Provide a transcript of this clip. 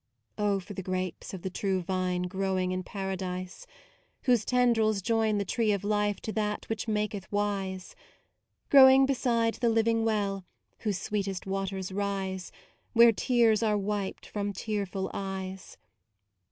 Oh for the grapes of the True Vine Growing in Paradise, Whose tendrils join the Tree of Life To that which maketh wise. Growing beside the Living Well, Whose sweetest waters rise, Where tears are wiped from tearful eyes.